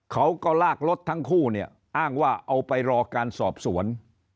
เขาก็ลากรถทั้งคู่เนี่ยอ้างว่าเอาไปรอการสอบสวน